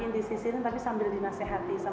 adiknya sampai terharu